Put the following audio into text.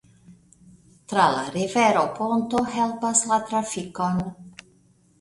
Tra la rivero ponto helpas la trafikon.